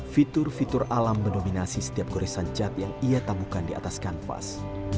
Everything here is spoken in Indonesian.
fitur fitur alam mendominasi setiap goresan cat yang ia tamukan di atas kanvas